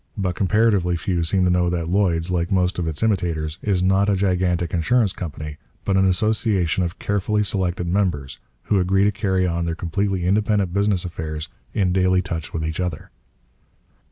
But comparatively few seem to know that Lloyd's, like most of its imitators, is not a gigantic insurance company, but an association of carefully selected members, who agree to carry on their completely independent business affairs in daily touch with each other.